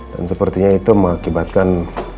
dan sepertinya itu mengakibatkan